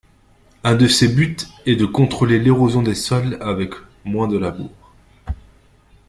Un de ses buts est de contrôler l'érosion des sols avec moins de labour.